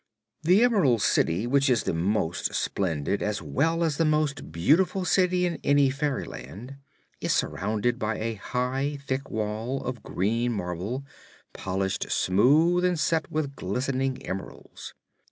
The Emerald City, which is the most splendid as well as the most beautiful city in any fairyland, is surrounded by a high, thick wall of green marble, polished smooth and set with glistening emeralds.